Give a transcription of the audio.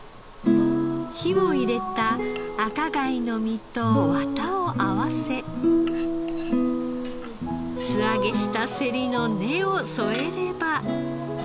火を入れた赤貝の身とワタを合わせ素揚げしたセリの根を添えれば。